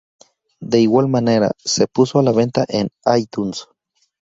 De igual manera, se puso a la venta en iTunes.